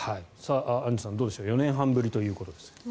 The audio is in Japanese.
アンジュさんどうでしょう４年半ぶりということですが。